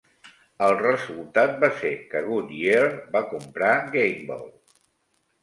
El resultat va ser que Goodyear va comprar Gamble.